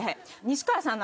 西川さん。